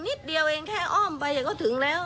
นิดเดียวเองแค่อ้อมไปก็ถึงแล้ว